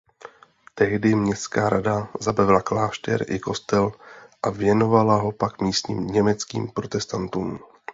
Tehdy městská rada zabavila klášter i kostel a věnovala ho pak místním německým protestantům.